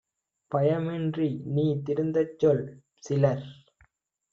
பயமின்றி நீதிருந் தச்சொல்! - சிலர்